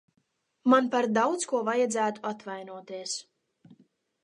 Man par daudz ko vajadzētu atvainoties.